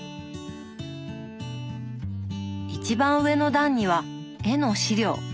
一番上の段には絵の資料。